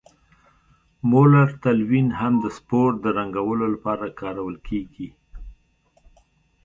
مولر تلوین هم د سپور د رنګولو لپاره کارول کیږي.